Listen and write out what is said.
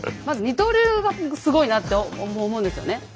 まず二刀流がすごいなって思うんですよね。